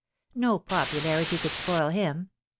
No popularity could spoil him.